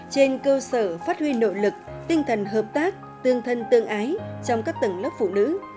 trên cơ sở phát huy nội lực tinh thần hợp tác tương thân tương ái trong các tầng lớp phụ nữ